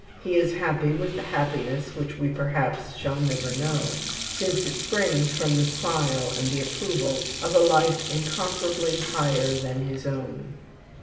He is happy with the happiness which we perhaps shall never know, since it springs from the smile and the approval of a life incomparably higher than his own."